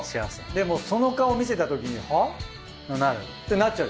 でもその顔見せたときに「はぁ？」ってなっちゃう。